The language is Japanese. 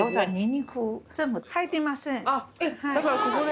あっだからここで。